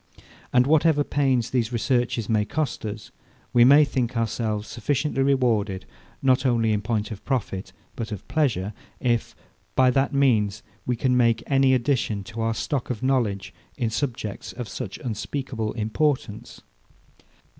And whatever pains these researches may cost us, we may think ourselves sufficiently rewarded, not only in point of profit but of pleasure, if, by that means, we can make any addition to our stock of knowledge, in subjects of such unspeakable importance.